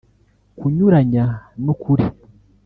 kunyuranya n’ ukuri